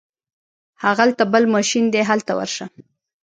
هغلته بل ماشین دی هلته ورشه.